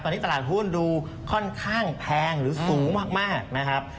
ตอนนี้ตลาดหุ้นดูค่อนข้างแพงหรือสูงมากนะครับ